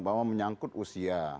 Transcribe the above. bahwa menyangkut usia